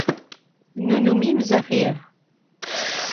Nous nous mîmes à rire.